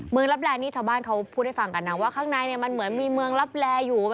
เมืองลาแปรนี่ฉวบ้านเขาพูดให้ฟังกันนะว่าข้างในเนี่ยมันเหมือนมีเมืองลาแปรอยู่